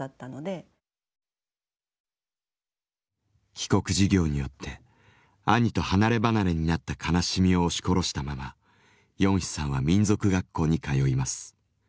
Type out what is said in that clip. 帰国事業によって兄と離れ離れになった悲しみを押し殺したままヨンヒさんは民族学校に通います。